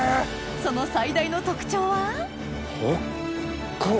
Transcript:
その最大の特徴は？